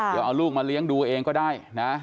เดี๋ยวเอาลูกมาเลี้ยงดูเองก็ได้นะ